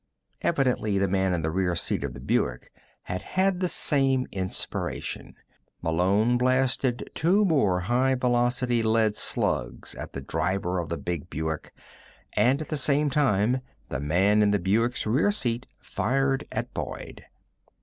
Evidently the man in the rear seat of the Buick had had the same inspiration. Malone blasted two more high velocity lead slugs at the driver of the big Buick, and at the same time the man in the Buick's rear seat fired at Boyd.